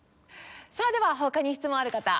さあでは他に質問ある方。